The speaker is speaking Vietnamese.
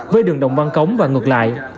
với đường đồng văn cống và ngược lại